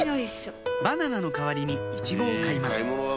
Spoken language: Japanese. バナナの代わりにイチゴを買います